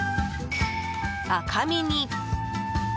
赤身に。